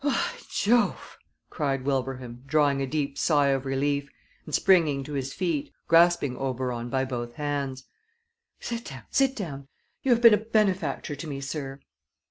"By Jove!" cried Wilbraham, drawing a deep sigh of relief, and springing to his feet, grasping Oberon by both hands. "Sit down, sit down! You have been a benefactor to me, sir."